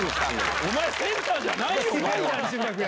お前、センターじゃないよ。